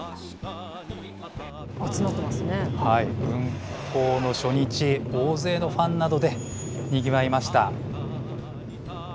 運行の初日、大勢のファンなどでにぎわいました。